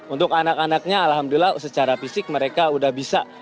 untuk anak anaknya alhamdulillah secara fisik mereka sudah bisa